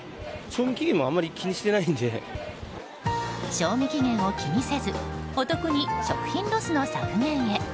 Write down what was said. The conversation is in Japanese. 賞味期限を気にせずお得に食品ロスの削減へ。